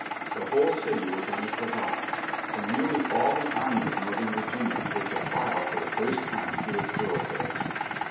The whole city was on the qui vive; for nearly all the Army of Northern Virginia were to file for the first time through its thor oughfares.